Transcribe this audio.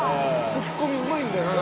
ツッコミうまいんだよな。